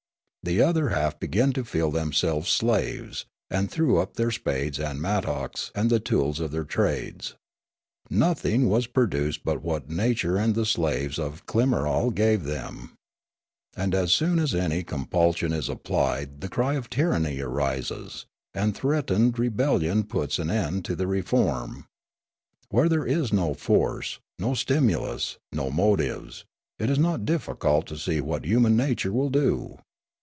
The other half began to feel themselves slaves, and threw up their spades and mattocks and the tools of their trades. Nothing was produced but what nature and the slaves of Klimarol gave them. And as soon as any compulsion is applied the cry of tyranny arises, and threatened rebellion puts an end to the reform. Where there is no force, no stimulus, no mo tives, it is not difficult to see what human nature will do.